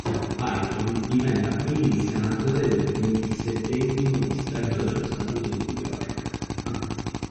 Payton diventa quindi il senatore del ventisettesimo distretto dello Stato di New York.